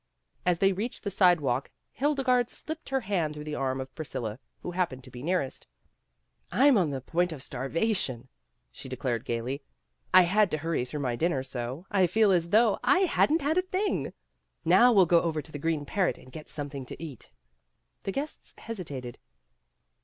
As they reached the sidewalk, Hildegarde slipped her hand through the arm of Priscilla, who hap pened to be nearest, "I'm on the point of starvation," she declared gaily. "I had to hurry through my dinner so, I feel as though I hadn't had a thing. Now we'll go over to the Green Parrot and get something to eat." The guests hesitated.